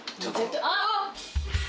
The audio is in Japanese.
あっ！